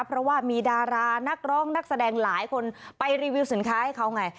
เพราะว่ามีดารานักร้องนักแสดงหลายคนไปรีวิวสินค้าให้เขาไง